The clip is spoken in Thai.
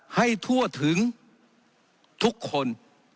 ให้ทั่วถึงทุกคน